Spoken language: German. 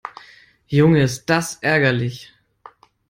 Junge, ist das ärgerlich!